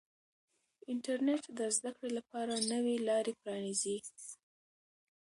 انټرنیټ د زده کړې لپاره نوې لارې پرانیزي.